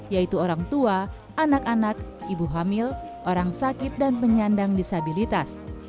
yaitu orang tua anak anak ibu hamil orang sakit dan penyandang disabilitas